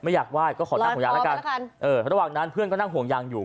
อยากไหว้ก็ขอนั่งห่วงยางแล้วกันเออระหว่างนั้นเพื่อนก็นั่งห่วงยางอยู่